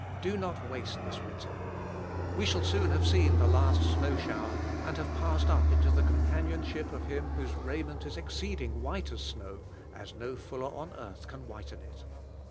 Do not waste this winter. We shall soon have seen the last snow shower, and have passed up into the companionship of Him whose raiment is exceeding white as snow as no fuller on earth can whiten it.